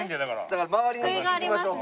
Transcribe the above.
だから回りに行きましょう。